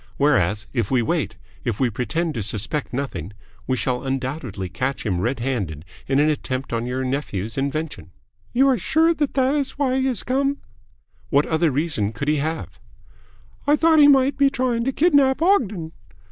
Whereas, if we wait, if we pretend to suspect nothing, we shall undoubtedly catch him red handed in an attempt on your nephew's invention." "You are sure that that is why he has come?" "What other reason could he have?" "I thought he might be trying to kidnap Ogden."